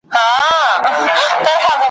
بس دا یو خوی مي د پښتنو دی `